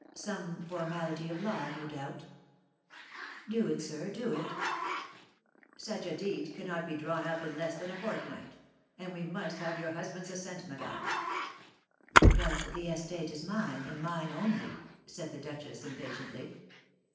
Some formality of law, no doubt? Do it, sir, do it." "Such a deed cannot be drawn up in less than a fortnight, and we must have your husband's assent, madame." "But the estate is mine, and mine only," said the duchess, impatiently.